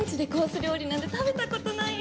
料理なんて食べたことないよ！